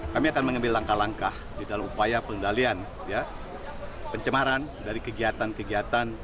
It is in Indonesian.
kami akan mengambil langkah langkah di dalam upaya pengendalian pencemaran dari kegiatan kegiatan